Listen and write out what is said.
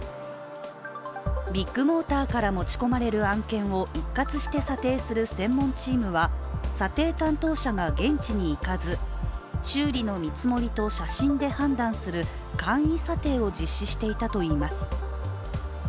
ビッグモーターから持ち込まれる案件を一括して査定する専門チームは査定担当者が現地に行かず修理の見積もりと写真で判断する簡易査定を実施していたといいます。